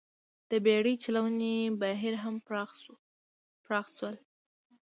د بېړۍ چلونې بهیر هم پراخ شول